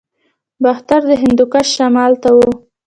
باختر د هندوکش شمال ته و